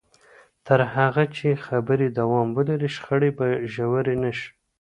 تر هغه چې خبرې دوام ولري، شخړې به ژورې نه شي.